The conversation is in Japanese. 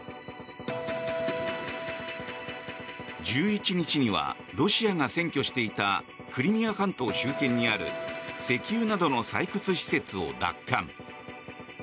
１１日にはロシアが占拠していたクリミア半島周辺にある石油などの採掘施設を奪還。